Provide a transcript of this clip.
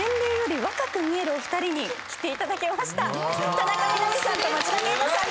田中みな実さんと町田啓太さん